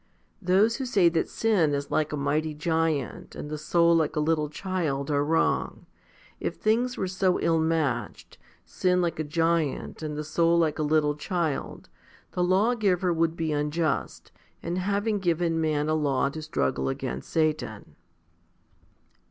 Those who say that sin is like a mighty giant and the soul like a little child are wrong. If things were so ill matched, sin like a giant and the soul like a little child, the Law giver would be unjust, in having given man a law to struggle against Satan.